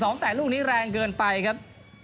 ทำชิ้น๑๒แต่ลูกนี้แรงเกินไปครับ